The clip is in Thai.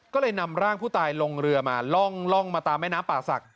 ก็เลยนำร่างผู้ตายลงเรือมาล่องมาตามแม่น้ำป่าศักดิ